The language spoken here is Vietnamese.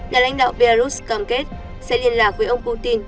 nhà lãnh đạo belarus cam kết sẽ liên lạc với ông putin